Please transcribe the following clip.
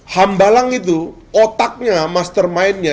hambalang itu otaknya mastermindnya